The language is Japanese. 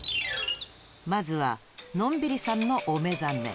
まずはのんびりさんのお目覚め